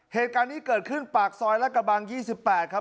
เหตุการณ์นี้เกิดขึ้นปากซอยรัดกระบัง๒๘ครับ